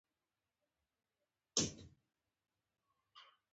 هیلۍ له هنر سره اړیکه لري